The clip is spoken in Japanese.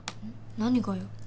何がよ。